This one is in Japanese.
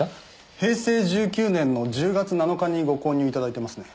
平成１９年の１０月７日にご購入頂いてますね。